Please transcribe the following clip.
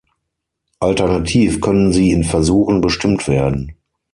Alternativ können sie in Versuchen bestimmt werden.